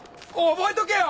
覚えとけよ！